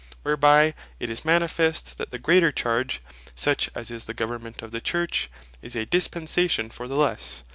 Whereby it is manifest, that the greater Charge, (such as is the Government of the Church,) is a dispensation for the lesse.